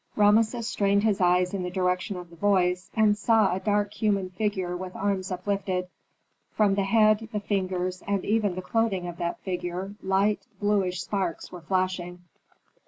Rameses strained his eyes in the direction of the voice, and saw a dark human figure with arms uplifted. From the head, the fingers, and even from the clothing of that figure, light bluish sparks were flashing.